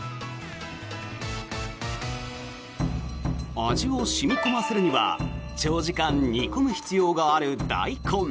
味を染み込ませるには長時間煮込む必要があるダイコン。